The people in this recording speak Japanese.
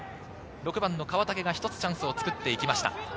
６番・川竹がチャンスを作っていきました。